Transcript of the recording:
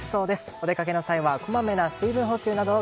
お出かけの際はこまめな水分補給などを